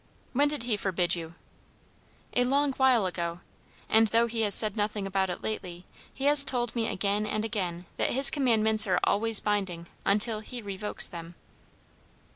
"When did he forbid you?" "A long while ago; and though he has said nothing about it lately, he has told me again and again that his commands are always binding until he revokes them."